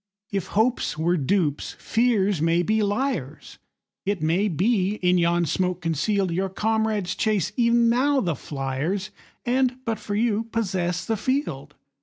If hopes were dupes, fears may be liars; It may be, in yon smoke conceal'd, Your comrades chase e'en now the fliers, And, but for you, possess the field.